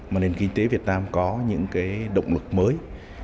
mà nền kinh tế việt nam có những cái động lực mới